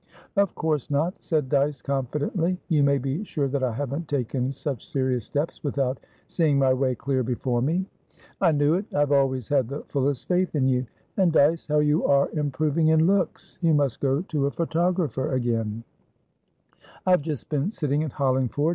"Of course not," said Dyce, confidently. "You may be sure that I haven't taken such serious steps without seeing my way clear before me." "I knew it! I have always had the fullest faith in you. And, Dyce, how you are improving in looks! You must go to a photographer again" "I've just been sitting at Hollingford.